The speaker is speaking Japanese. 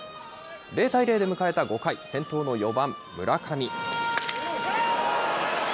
０対０で迎えた５回、先頭の４番村上。